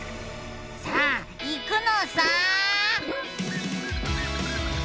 さあいくのさ！